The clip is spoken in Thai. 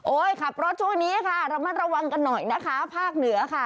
ขับรถช่วงนี้ค่ะระมัดระวังกันหน่อยนะคะภาคเหนือค่ะ